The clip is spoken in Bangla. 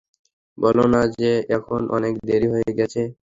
বলো না যে, এখন অনেক দেরি হয়ে গেছে।